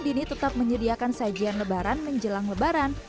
dini tetap menyediakan sajian lebaran menjelang lebaran